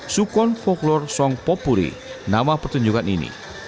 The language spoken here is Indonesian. sukon foklor song popuri nama pertunjukan ini